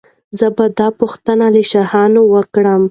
زه به دا پوښتنه له شاهانو وکړم.